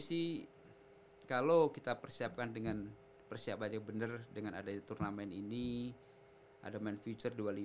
sih kalau kita persiapkan dengan persiapannya bener dengan adanya turnamen ini ada men feature